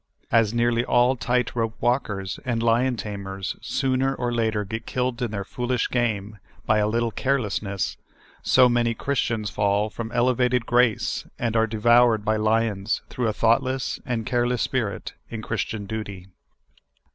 As nearl}^ all tight rope walkers and lion tamers sooner or later get killed in their foolish game by a little carelessness, so man}^ Christians fall from elevated grace, and are devoured by lions, through a thoughtless and careless spirit in Christian duty.